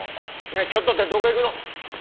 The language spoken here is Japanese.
ちょっとってどこ行くの？